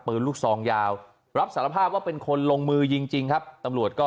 ปืนลูกซองยาวรับสารภาพว่าเป็นคนลงมือยิงจริงครับตำรวจก็